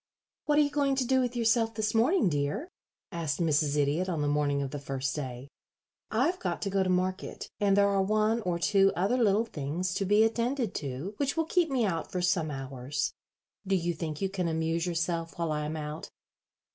"What are you going to do with yourself this morning, dear?" asked Mrs. Idiot on the morning of the first day. "I've got to go to market, and there are one or two other little things to be attended to which will keep me out for some hours. Do you think you can amuse yourself while I am out?"